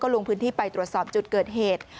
ลงพื้นที่ไปตรวจสอบจุดเกิดเหตุ